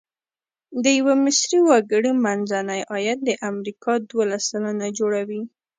د یوه مصري وګړي منځنی عاید د امریکا دوولس سلنه جوړوي.